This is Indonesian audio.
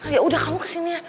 ya udah kamu kesini ya